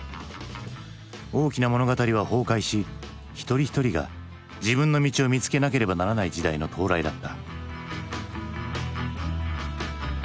大きな物語は崩壊し一人一人が自分の道を見つけなければならない時代の到来だった。